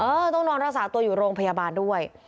ต้องนอนรักษาตัวอยู่โรงพยาบาลด้วย